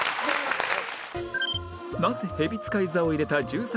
なぜへびつかい座を入れた１３